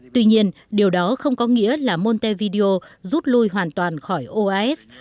tuy nhiên điều đó không có nghĩa là montevideo rút lui hoàn toàn khỏi oas